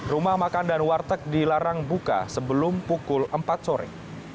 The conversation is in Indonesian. rumah makan dan warteg dilarang buka sebelum pukul empat sore